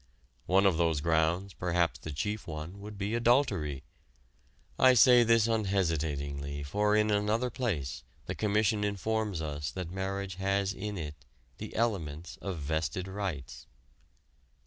One of those grounds, perhaps the chief one, would be adultery. I say this unhesitatingly for in another place the Commission informs us that marriage has in it "the elements of vested rights."